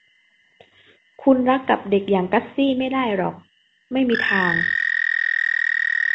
คุณรักกับเด็กอย่างกัสซี่ไม่ได้หรอก ไม่มีทาง